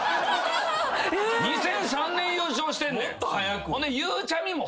２００３年優勝してんねん。